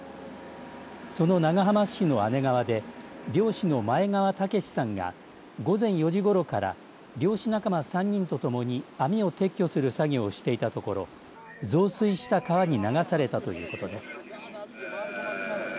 その長浜市の姉川で漁師の前川健さんが午前４時ごろから漁師仲間３人と共に網を撤去する作業をしていたところ増水した川に流されたということです。